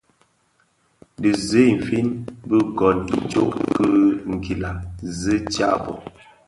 Dhi zi I nfin bi gōn itsok ki nguila zi I tsaboň.